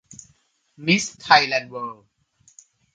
มิสไทยแลนด์เวิลด์